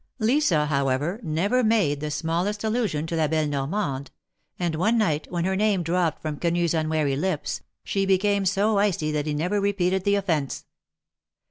Lisa, however, never made the smallest allusion to La belle Norrnande; and one night, when her name dropped from Quenu^s unwary lips, she became so icy that he never repeated the offence.